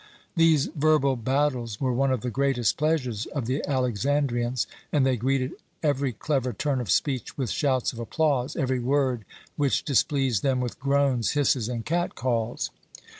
These verbal battles were one of the greatest pleasures of the Alexandrians, and they greeted every clever turn of speech with shouts of applause, every word which displeased them with groans, hisses, and cat calls.